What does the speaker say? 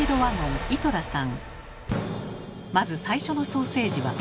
まず最初のソーセージは。